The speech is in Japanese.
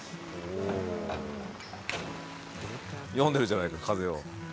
読んでるじゃないか風を。